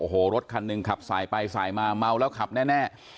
โอ้โหรถคันหนึ่งขับสายไปสายมาเมาแล้วขับแน่